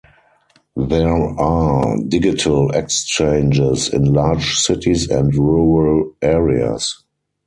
There are digital exchanges in large cities and rural areas.